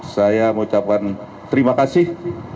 saya mengucapkan terima kasih